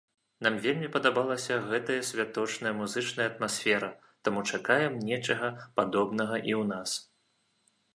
Нам вельмі падабалася гэтая святочна музычная атмасфера, таму чакаем нечага падобнага і ў нас.